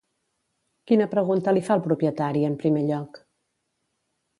Quina pregunta li fa el propietari, en primer lloc?